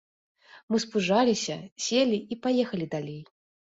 Мы спужаліся, селі і паехалі далей.